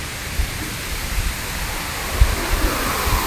锈荚藤是豆科羊蹄甲属的植物。